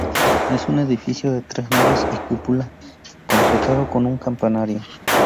Es un edificio de tres naves y cúpula, completado con un campanario.